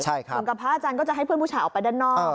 เหมือนกับพระอาจารย์ก็จะให้เพื่อนผู้ชายออกไปด้านนอก